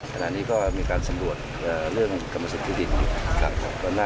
ถนนก็ใช้ศูนย์สร้างสัตว์แถวถนนของกลม